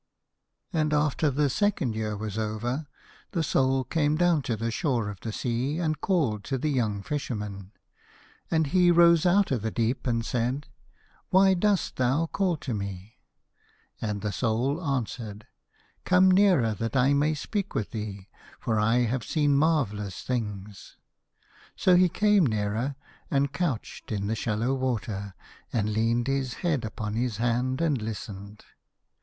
96 And after the second year was over the Soul came down to the shore of the sea, and called to the young Fisherman, and he rose out of the deep and said, " Why dost thou call to me?" And the Soul answered, " Come nearer that I may speak with thee, for I have seen mar vellous things." So he came nearer, and couched in the shallow water, and leaned his head upon his hand and listened.